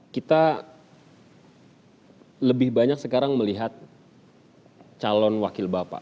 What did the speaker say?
kita lebih banyak sekarang melihat calon wakil bapak